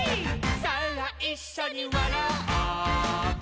さあいっしょにわらおう」